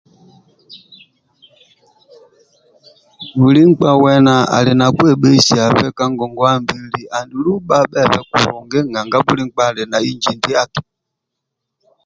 Buli mkpa wena ali na kwebeisabhe ka ngongwabili andulu babebhe kulunga nanga buli mkpa ali na nji ndyaki